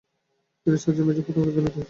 তিনি sergeant major পদে পদোন্নতি পেয়েছিলেন।